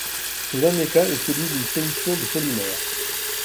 Ce dernier cas est celui d'une solution de polymère.